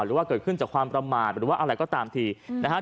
หรือว่าเกิดขึ้นจากความประมาทหรือว่าอะไรก็ตามทีนะฮะ